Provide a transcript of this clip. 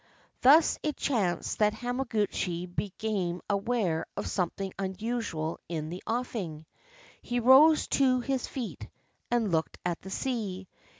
Thus it chanced that Hamaguchi be came aware of something unusual in the offing. He rose to his feet, and looked at the sea.